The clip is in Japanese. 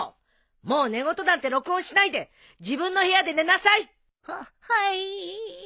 もう寝言なんて録音しないで自分の部屋で寝なさい。ははい。